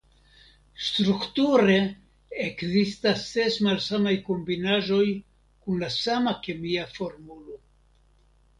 Strukture ekzistas ses malsamaj kombinaĵoj kun la sama kemia formulo.